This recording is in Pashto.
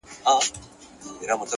علم انسان ته حقیقي ځواک ورکوي.